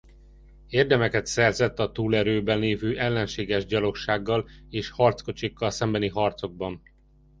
Érdemeket szerzett a túlerőben lévő ellenséges gyalogsággal és harckocsikkal szembeni harcokban.